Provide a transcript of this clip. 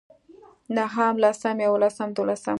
نهم لسم يولسم دولسم